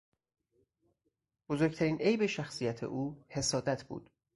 بزرگترین عیب شخصیت او حسادت بود.